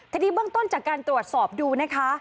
ทีนี้เบื้องต้นจากการตรวจสอบดูนะคะ